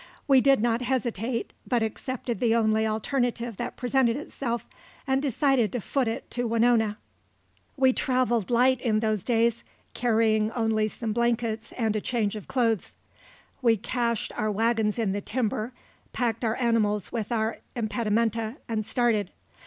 We did not hesitate, but accepted the only alternative that presented itself, and decided to foot it to Winona. We travelled light in those days, carrying only some blankets and a change of clothes. We cached our wagons in the timber, packed our animals with our impedimenta, and started.